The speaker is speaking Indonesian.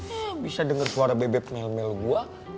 eh bisa denger suara bebek mel mel gua